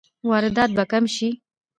واردات به کم شي؟